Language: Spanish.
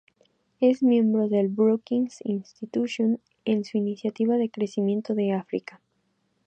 Es miembro del Brookings Institution, en su Iniciativa de Crecimiento de África.